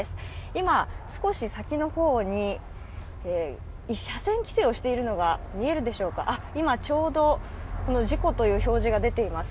今、少し先の方に車線規制をしているのが見えるでしょうか、今、ちょうど事故という表示が出ています。